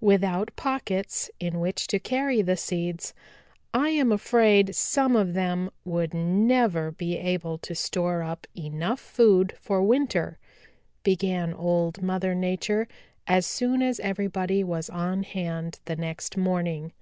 Without pockets in which to carry the seeds, I am afraid some of them would never be able to store up enough food for winter," began Old Mother Nature, as soon as everybody was on hand the next morning.